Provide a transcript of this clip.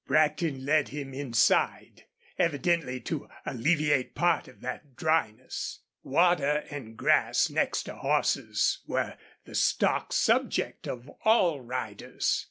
Brackton led him inside, evidently to alleviate part of that dryness. Water and grass, next to horses, were the stock subject of all riders.